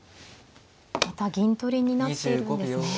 また銀取りになっているんですね。